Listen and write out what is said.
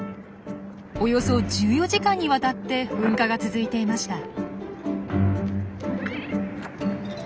およそ１４時間にわたって噴火が続いていました。